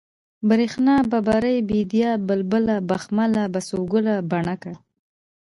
برېښنا ، ببرۍ ، بېديا ، بلبله ، بخمله ، بسوگله ، بڼکه